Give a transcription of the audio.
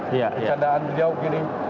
bercandaan beliau gini